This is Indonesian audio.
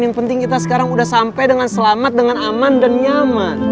yang penting kita sekarang sudah sampai dengan selamat dengan aman dan nyaman